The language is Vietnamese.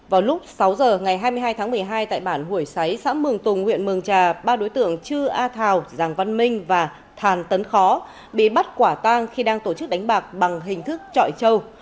vào lúc sáu giờ ngày hai mươi hai tháng một mươi hai tại bản hủy xáy xã mường tùng huyện mường trà ba đối tượng chư a thào giàng văn minh và thàn tấn khó bị bắt quả tang khi đang tổ chức đánh bạc bằng hình thức trọi trâu